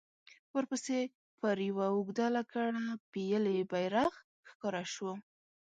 ورپسې پر يوه اوږده لکړه پېيلی بيرغ ښکاره شو.